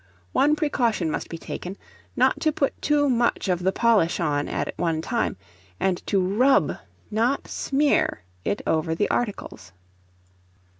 One precaution must be taken, not to put too much of the polish on at one time, and to rub, not smear it over the articles.